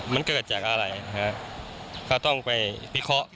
มันเกิดจากอะไรนะฮะก็ต้องไปพิเคราะห์